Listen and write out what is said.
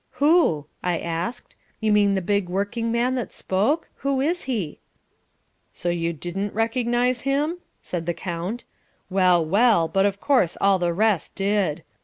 "Who?" I asked. "You mean the big working man that spoke? Who is he?" "So you didn't recognize him?" said the count. "Well, well, but of course all the rest did.